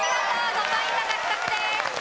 ５ポイント獲得です。